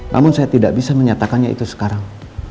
namun saya tidak bisa menyatakannya itu sekarang